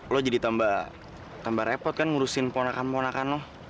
lo jadi tambah repot kan ngurusin ponakan ponakan lo